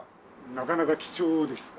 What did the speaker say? なかなか貴重ですね。